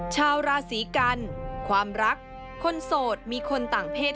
ชาวราศีกันความรักคนโสดมีคนต่างเพศ